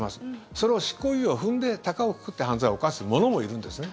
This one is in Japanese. その執行猶予を踏んで高をくくって犯罪を犯す者もいるんですね。